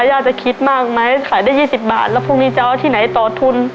ย่าจะคิดมากไหมขายได้๒๐บาทแล้วพรุ่งนี้จะเอาที่ไหนต่อทุน